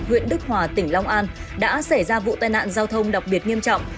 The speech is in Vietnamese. huyện đức hòa tỉnh long an đã xảy ra vụ tai nạn giao thông đặc biệt nghiêm trọng